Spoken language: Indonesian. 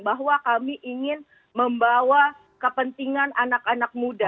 bahwa kami ingin membawa kepentingan anak anak muda